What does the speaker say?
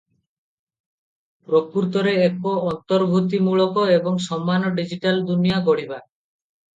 ପ୍ରକୃତରେ ଏକ ଅନ୍ତର୍ଭୁକ୍ତିମୂଳକ ଏବଂ ସମାନ ଡିଜିଟାଲ ଦୁନିଆ ଗଢ଼ିବା ।